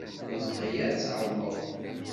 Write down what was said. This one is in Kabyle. Ur tebɣi ara ad tεelmeḍ.